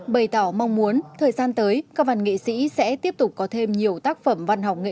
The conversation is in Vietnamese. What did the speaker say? bày tỏ mong muốn thời gian tới các văn nghệ sĩ sẽ tiếp tục có thêm nhiều tác phẩm văn học nghệ